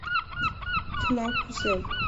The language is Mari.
Тунам кузе?